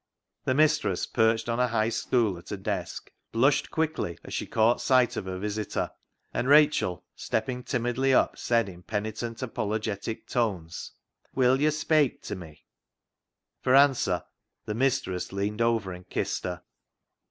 The mis tress, perched on a high stool at a desk, blushed quickly as she caught sight of her visitor, and 270 VAULTING AMBITION Rachel, stepping timidly up, said in penitent, apologetic tones —" Will yo' speik to me ?" For answer the mistress leaned over and kissed her.